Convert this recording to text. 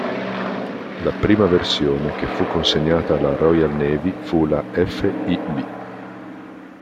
La prima versione che fu consegnata alla Royal Navy fu la F Ib.